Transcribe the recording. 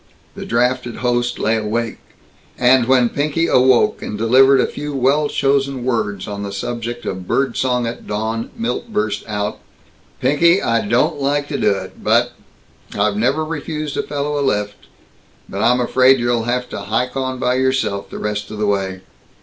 The drafted host lay awake, and when Pinky awoke and delivered a few well chosen words on the subject of bird song at dawn, Milt burst out: "Pinky, I don't like to do it, but I've never refused a fellow a lift, but I'm afraid you'll have to hike on by yourself, the rest of the way."